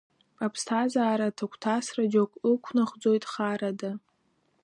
Аԥсҭазаара аҭагәҭасра џьоук ықәнахӡоит харада.